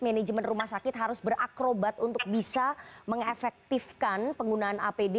manajemen rumah sakit harus berakrobat untuk bisa mengefektifkan penggunaan apd